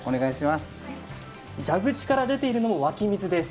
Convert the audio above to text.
蛇口から出ているのも湧き水です。